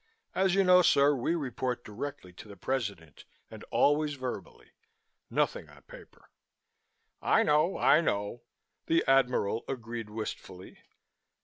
As you know, sir, we report directly to the President, and always verbally. Nothing on paper." "I know, I know," the Admiral agreed wistfully.